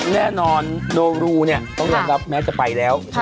แน่นอนโดรูเนี่ยต้องยอมรับแม้จะไปแล้ว